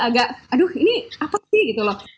agak aduh ini apa sih